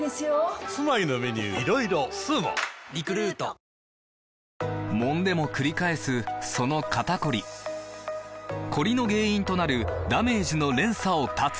バーゲン６月３０日から開催もんでもくり返すその肩こりコリの原因となるダメージの連鎖を断つ！